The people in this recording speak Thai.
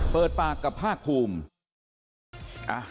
เปิดปากกับภาคภูมิ